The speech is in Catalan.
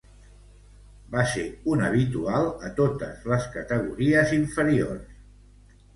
Va ser un habitual a totes les categories inferiors de la selecció espanyola.